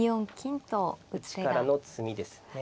打ちからの詰みですね。